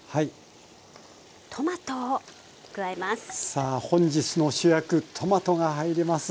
さあ本日の主役トマトが入ります。